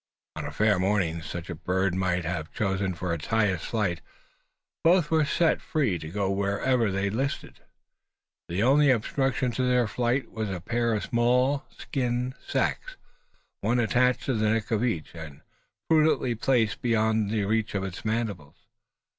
On a fair morning such as a bird might have chosen for its highest flight both were set free to go whithersoever they listed. The only obstruction to their flight was a pair of small skin sacks, one attached to the neck of each, and prudently placed beyond the reach of its mandibles.